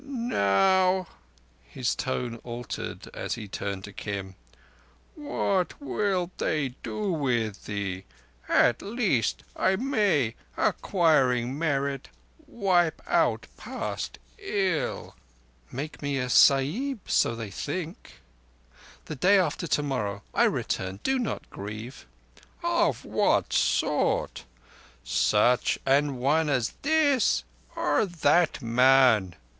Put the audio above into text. "Now,"—his tone altered as he turned to Kim,—"what will they do with thee? At least I may, acquiring merit, wipe out past ill." "Make me a Sahib—so they think. The day after tomorrow I return. Do not grieve." "Of what sort? Such an one as this or that man?"